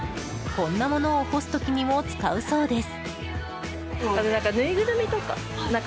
こんなものを干す時にも使うそうです。